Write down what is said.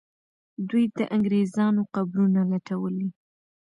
دوی د انګریزانو قبرونه لټولې.